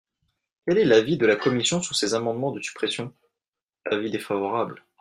Quel est l’avis de la commission sur ces amendements de suppression ? Avis défavorable.